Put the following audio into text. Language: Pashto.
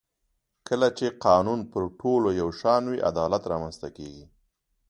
کله چې قانون پر ټولو یو شان وي عدالت رامنځته کېږي